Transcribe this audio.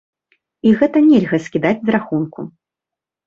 І гэта нельга скідаць з рахунку.